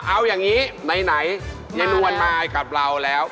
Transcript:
เอาอย่างนี้ไหนยายนวลมากับเราแล้ว